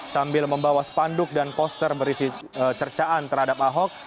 sambil membawa spanduk dan poster berisi cercaan terhadap ahok